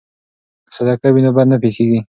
که صدقه وي نو بد نه پیښیږي.